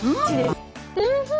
うん！